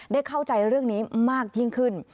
เข้าใจเรื่องนี้มากยิ่งขึ้น